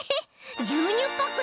ぎゅうにゅうパック